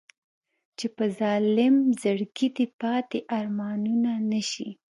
چې په ظالم زړګي دې پاتې ارمانونه نه شي.